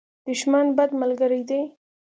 دښمن، بد ملګری دی.